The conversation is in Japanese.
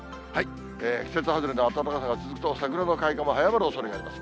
季節外れの暖かさが続くと、桜の開花も早まるおそれがあります。